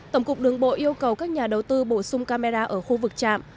tổng cục đường bộ yêu cầu các nhà đầu tư bổ sung camera ở khu vực trạm